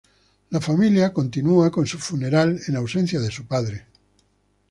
La familia continúa con su funeral en ausencia de su padre.